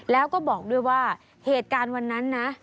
แล้วก็บอกด้วยว่าเหตุการณ์วันนั้นนะ